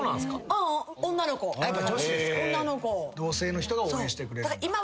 同性の人が応援してくれる。